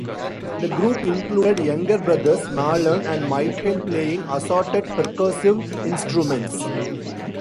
The group included younger brothers Marlon and Michael playing assorted percussive instruments.